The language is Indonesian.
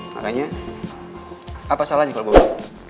makanya apa salahnya kalau gue